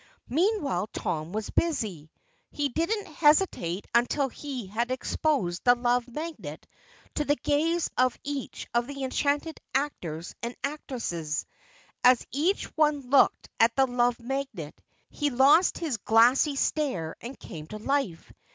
Meanwhile Tom was busy. He didn't hesitate until he had exposed the Love Magnet to the gaze of each of the enchanted actors and actresses. As each one looked at the Love Magnet he lost his glassy stare and came to life.